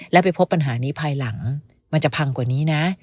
แล้วไปพบปัญหานี้ภายหลังมันจะพังกว่านี้นะ